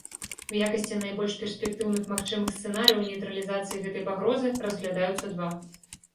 У якасці найбольш перспектыўных магчымых сцэнарыяў нейтралізацыі гэтай пагрозы разглядаюцца два.